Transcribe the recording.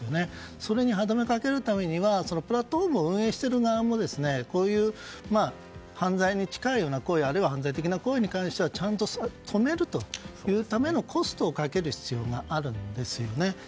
それに歯止めをかけるためにはプラットフォームを運営をしている側もこういう犯罪に近いような行為や犯罪行為に対してはちゃんと止めるというためのコストをかける必要があるんです。